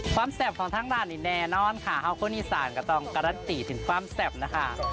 แสบของทางร้านนี้แน่นอนค่ะฮาวโก้อีสานก็ต้องการันตีถึงความแซ่บนะคะ